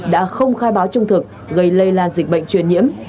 đã không khai báo trung thực gây lây lan dịch bệnh truyền nhiễm